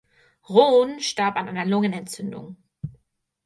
Rohn starb an einer Lungenentzündung.